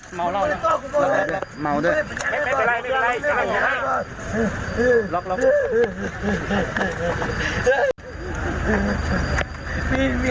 เฮ้ยเห้ยไม่เป็นไร